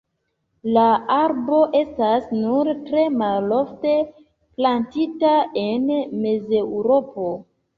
La arbo estas nur tre malofte plantita en Mezeŭropo.